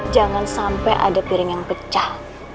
jangan sampai ada piring yang pecah